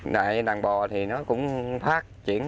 nàng bò thì nó cũng phát triển